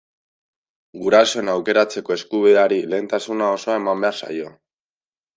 Gurasoen aukeratzeko eskubideari lehentasuna osoa eman behar zaio.